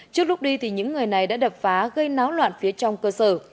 trước lúc đi thì những người này đã đập phá gây náo loạn phía trong cơ sở